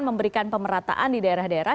memberikan pemerataan di daerah daerah